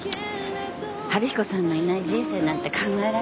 春彦さんがいない人生なんて考えられない。